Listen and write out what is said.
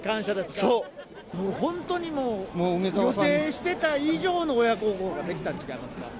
もう本当に、予定してた以上の親孝行ができたん違いますか？